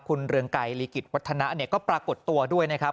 คุณเรืองไกรลีกิจวัฒนะก็ปรากฏตัวด้วยนะครับ